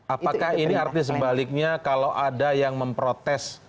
apakah ini artinya sebaliknya kalau ada yang memprotes